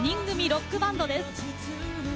ロックバンドです。